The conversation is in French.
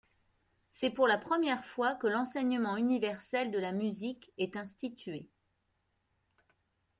C'est pour la première fois que l'enseignement universel de la musique est institué.